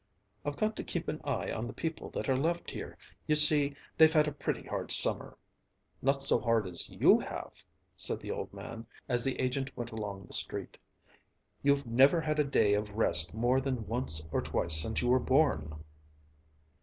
"I've got to keep an eye on the people that are left here; you see they've had a pretty hard summer." "Not so hard as you have!" said the old man, as the agent went along the street. "You've never had a day of rest more than once or twice since you were born!"